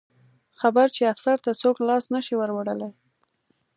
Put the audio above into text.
خبر چې افسر ته څوک لاس نه شي وروړلی.